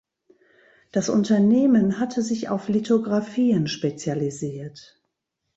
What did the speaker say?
Das Unternehmen hatte sich auf Lithografien spezialisiert.